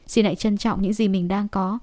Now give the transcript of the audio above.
xin hãy trân trọng những gì mình đang có